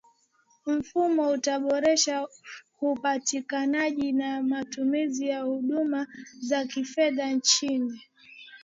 mfumo utaboresha upatikanaji na matumizi ya huduma za kifedha nchini